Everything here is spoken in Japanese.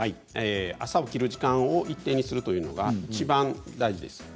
朝、起きる時間を一定にするというのはいちばん大事です。